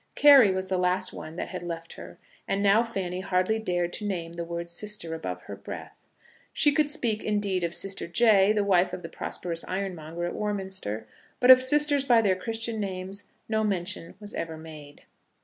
Carry was the last one that had left her; and now Fanny hardly dared to name the word sister above her breath. She could speak, indeed, of Sister Jay, the wife of the prosperous ironmonger at Warminster; but of sisters by their Christian names no mention was ever made.